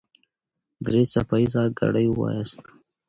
درې څپه ايزه ګړې وواياست.